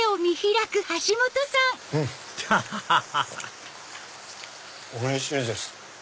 アハハハハおいしいです。